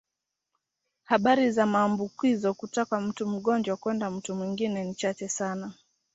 Habari za maambukizo kutoka mtu mgonjwa kwenda mtu mwingine ni chache sana.